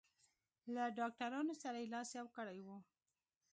له ډاکټرانو سره یې لاس یو کړی و.